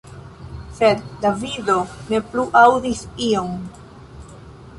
Sed Davido ne plu aŭdis ion.